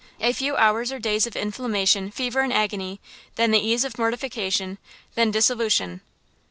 A few hours or days of inflammation, fever and agony, then the ease of mortification, then dissolution!"